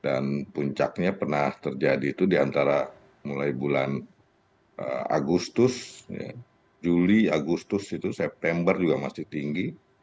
dan puncaknya pernah terjadi itu diantara mulai bulan agustus juli agustus itu september juga masih tinggi